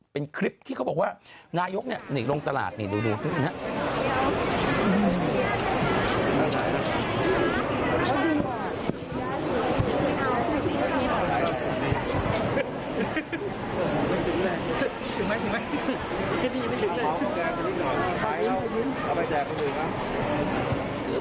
เป็นคลิปที่เขาบอกว่านายกหนีลงตลาดดูซึ่ง